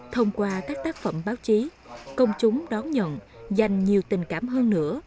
thông qua các tác phẩm báo chí công chúng đón nhận dành nhiều tình cảm hơn nữa